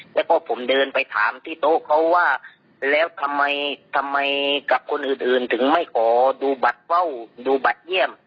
แล้วก็ผมเดินไปถามที่โต๊ะเขาว่าแล้วทำไมทำไมกับคนอื่นถึงไม่ขอดูบัตรว่าวดูบัตรเยี่ยม